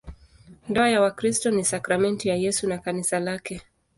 Ndoa ya Wakristo ni sakramenti ya Yesu na Kanisa lake.